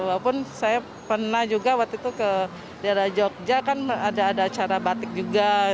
walaupun saya pernah juga waktu itu ke daerah jogja kan ada acara batik juga